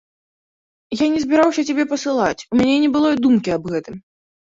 Я не збіраўся цябе пасылаць, у мяне не было і думкі аб гэтым.